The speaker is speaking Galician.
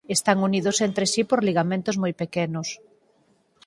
Están unidos entre si por ligamentos moi pequenos.